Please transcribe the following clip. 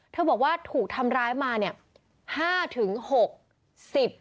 เธอบอกว่าถูกทำร้ายมานี่